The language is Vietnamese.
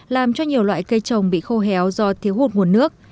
làm cho nhiều loại cây trồng bị khô héo do thiếu hụt nguồn nước